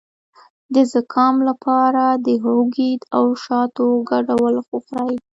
د زکام لپاره د هوږې او شاتو ګډول وخورئ